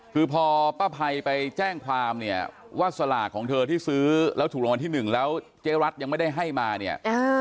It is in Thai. คือพอป้าภัยไปแจ้งความเนี่ยว่าสลากของเธอที่ซื้อแล้วถูกรางวัลที่หนึ่งแล้วเจ๊รัฐยังไม่ได้ให้มาเนี่ย